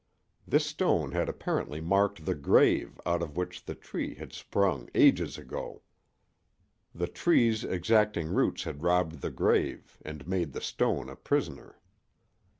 This stone had apparently marked the grave out of which the tree had sprung ages ago. The tree's exacting roots had robbed the grave and made the stone a prisoner.